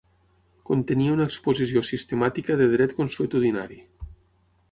Contenia una exposició sistemàtica de dret consuetudinari.